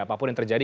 apapun yang terjadi